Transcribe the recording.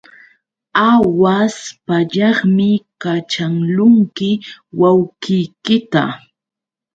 Aawaśh pallaqmi kaćhaqlunki wawqiykita.